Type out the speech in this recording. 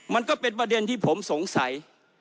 มันก็เป็นประเด็นที่ผมสงสัย